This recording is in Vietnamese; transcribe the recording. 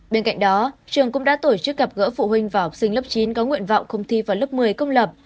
bên cạnh đó trường cũng đã tổ chức gặp gỡ phụ huynh và học sinh lớp chín có nguyện vọng không thi vào lớp một mươi công lập